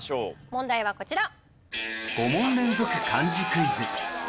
問題はこちら。